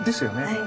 はい。